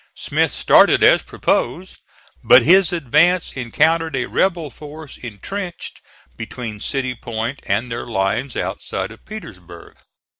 Smith started as proposed, but his advance encountered a rebel force intrenched between City Point and their lines outside of Petersburg.